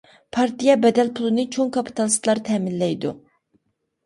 پارتىيە بەدەل پۇلىنى چوڭ كاپىتالىستلار تەمىنلەيدۇ.